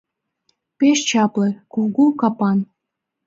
Пеш чапле, кугу капан.